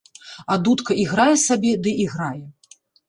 А дудка іграе сабе ды іграе.